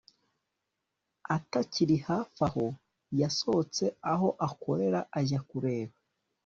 atakiri hafi aho yasohotse aho akorera ajya kureba